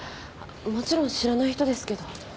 もちろん知らない人ですけど。